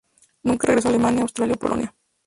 Nunca regresó a Alemania, Austria o Polonia.